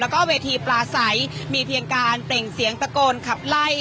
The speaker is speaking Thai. แล้วก็เวทีปลาใสมีเพียงการเปล่งเสียงตะโกนขับไล่